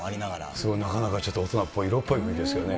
すごいなかなかちょっと大人っぽい、色っぽい感じですけどね。